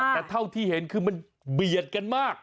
แต่เท่าที่เห็นคือมันเบียดกันมาก